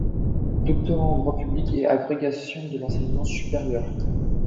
Doctorat en droit public et agrégation de l'enseignement supérieur.